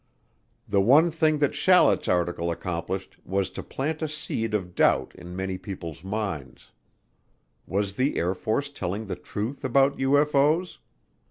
The one thing that Shallet's article accomplished was to plant a seed of doubt in many people's minds. Was the Air Force telling the truth about UFO's?